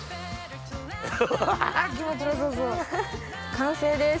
完成です。